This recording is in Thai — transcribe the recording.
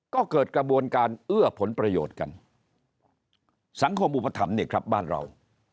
ก็เกิดกระบวนการเอื้อผลประโยชน์กันสังคมอุปถัมภ์นี่ครับบ้านเรา